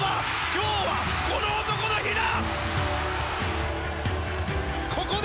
今日はこの男の日だ！